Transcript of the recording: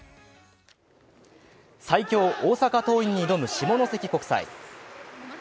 最強・大阪桐蔭に挑む下関国際。